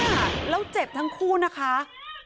ค่ะแล้วเจ็บทั้งคู่นะคะ